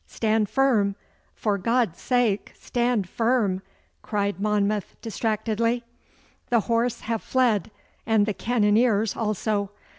'Stand firm! For God's sake, stand firm!' cried Monmouth distractedly. 'The horse have fled, and the cannoniers also.